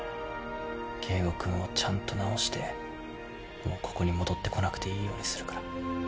圭吾君をちゃんと治してもうここに戻ってこなくていいようにするから。